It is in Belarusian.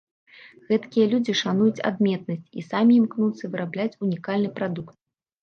Гэткія людзі шануюць адметнасць, і самі імкнуцца вырабляць унікальны прадукт.